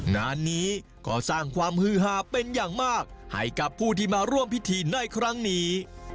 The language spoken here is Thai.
งานนี้ก็สร้างความฮือหาเป็นอย่างมากให้กับผู้ที่มาร่วมพิธีในครั้งนี้